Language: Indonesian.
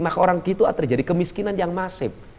maka orang tua terjadi kemiskinan yang masif